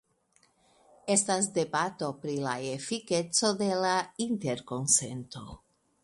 Estas debato pri la efikeco de la interkonsento.